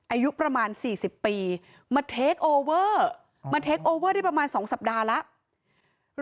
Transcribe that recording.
อายุประมาณสี่สิบปีมามาได้ประมาณสองสัปดาห์แล้ว